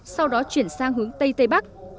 sau đó chuyển sang hướng tây tây bắc